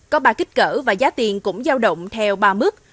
có ba kích cỡ và giá tiền cũng giao động theo ba mức